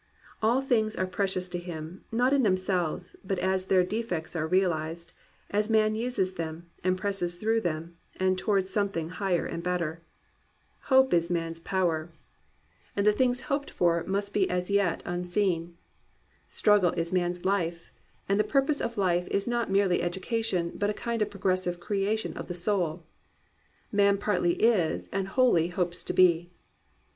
All things are pre cious to him, not in themselves, but as their defects are realized, as man uses them, and presses through them, towards something higher and better. Hope is man's power: and the things hoped for must be 269 COMPANIONABLE BOOKS as yet unseen. Struggle is man*s life; and the pur pose of life is not merely education, but a kind of progressive creation of the soul. "Man partiy is and wholly hopes to be."